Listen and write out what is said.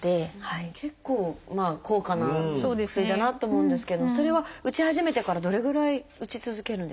結構高価な薬だなと思うんですけれどもそれは打ち始めてからどれぐらい打ち続けるんですか？